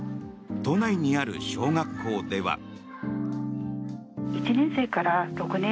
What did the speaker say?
都内にある小学校では。